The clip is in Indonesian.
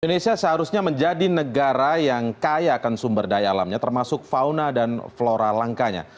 indonesia seharusnya menjadi negara yang kaya akan sumber daya alamnya termasuk fauna dan flora langkanya